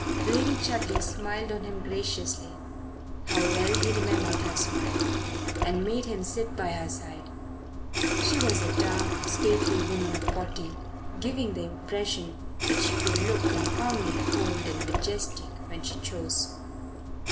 Lady Chudley smiled on him graciously how well he remembered her smile! and made him sit by her side. She was a dark, stately woman of forty, giving the impression that she could look confoundedly cold and majestic when she chose.